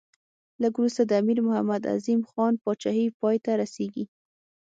لږ وروسته د امیر محمد اعظم خان پاچهي پای ته رسېږي.